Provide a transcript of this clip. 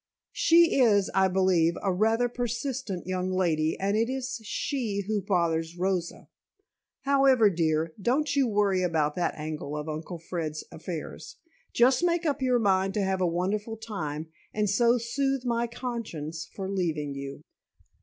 "She is, I believe, a rather persistent young lady and it is she who bothers Rosa. However, dear, don't you worry about that angle of Uncle Fred's affairs. Just make up your mind to have a wonderful time and so soothe my conscience for leaving you."